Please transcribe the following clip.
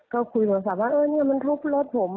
ก็คุยโทรศัพท์ว่าเออเนี่ยมันทุบรถผม